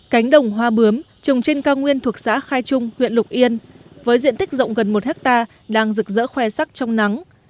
cánh đồng hoa bướm trồng trên cao nguyên thuộc xã khai trung huyện lục yên với diện tích rộng gần một hectare đang rực rỡ khoe sắc trong nắng